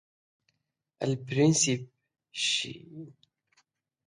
El príncipe Shen en tanto fue capturado.